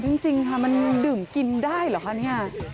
จริงค่ะมันดื่มกินได้เหรอคะเนี่ย